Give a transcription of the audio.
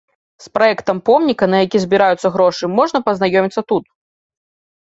З праектам помніка, на які збіраюцца грошы, можна пазнаёміцца тут.